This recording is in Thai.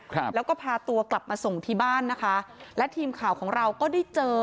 ครับแล้วก็พาตัวกลับมาส่งที่บ้านนะคะและทีมข่าวของเราก็ได้เจอ